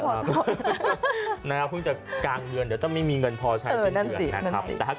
นะครับเพิ่งจะกลางเงินเดี๋ยวจะไม่มีเงินพอใช้ที่เงินนะครับ